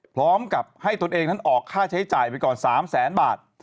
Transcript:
พร้อมกับให้ตนเองนั้นออกค่าใช้จ่ายไปก่อน๓แสนบาท